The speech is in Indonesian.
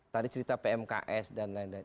tadi cerita pmks dan lain lain